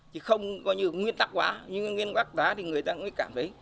chứ không có như nguyên tắc quá nguyên ác giá thì người ta mới cảm thấy